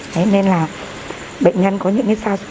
thế nên là bệnh nhân có những cái